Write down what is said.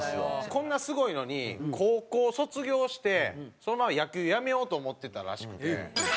こんなすごいのに高校卒業してそのまま野球やめようと思ってたらしくて。